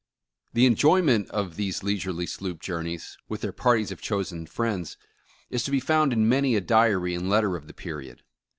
263 The Original John Jacob Astor The enjoyment of these leisurely sloop journeys, with their parties of chosen friends, is to be found in many a diary and letter of the period.